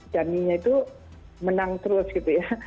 dummy nya itu menang terus gitu ya